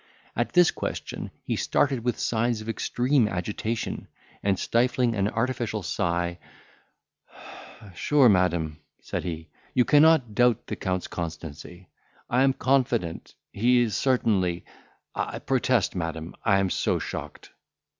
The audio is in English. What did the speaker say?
At this question, he started with signs of extreme agitation, and stifling an artificial sigh, "Sure, madam," said he, "you cannot doubt the Count's constancy—I am confident—he is certainly—I protest, madam, I am so shocked."